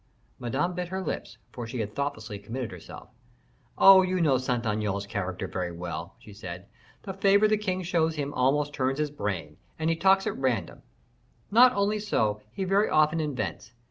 Madame bit her lips, for she had thoughtlessly committed herself. "Oh, you know Saint Aignan's character very well," she said, "the favor the king shows him almost turns his brain, and he talks at random; not only so, he very often invents.